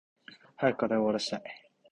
早く課題終わらしたい。